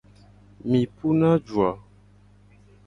Mi puna du a?